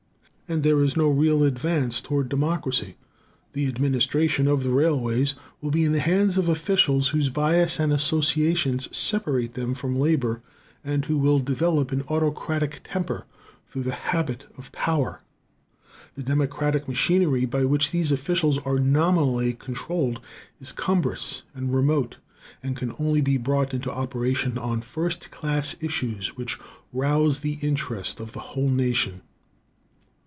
And there is no real advance toward democracy. The administration of the railways will be in the hands of officials whose bias and associations separate them from labor, and who will develop an autocratic temper through the habit of power. The democratic machinery by which these officials are nominally controlled is cumbrous and remote, and can only be brought into operation on first class issues which rouse the interest of the whole nation.